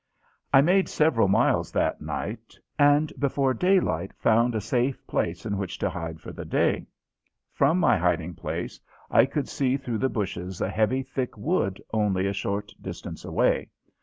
I made several miles that night and before daylight found a safe place in which to hide for the day. From my hiding place I could see through the bushes a heavy thick wood only a short distance away.